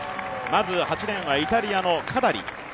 まず８レーンはイタリアのカダリ。